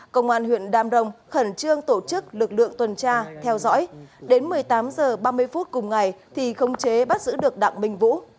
công an huyện đam rồng khẩn trương tổ chức lực lượng tuần tra theo dõi đến một mươi tám h ba mươi phút cùng ngày thì không chế bắt giữ được đặng minh vũ